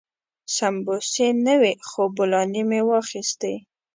سمبوسې نه وې خو بولاني مو واخيستې.